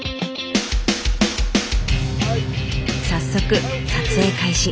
早速撮影開始。